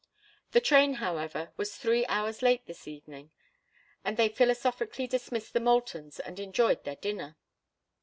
The train, however, was three hours late this evening, and they philosophically dismissed the Moultons and enjoyed their dinner.